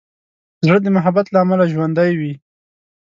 زړه د محبت له امله ژوندی وي.